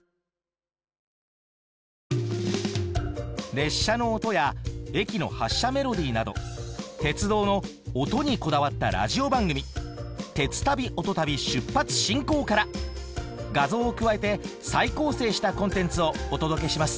列車の音や駅の発車メロディーなど「鉄道の音」にこだわったラジオ番組「鉄旅・音旅出発進行！」から画像を加えて再構成したコンテンツをお届けします